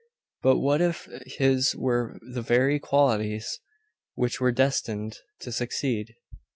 But what if his were the very qualities which were destined to succeed?